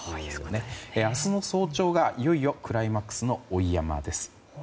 明日の早朝がいよいよクライマックスの追い山笠です。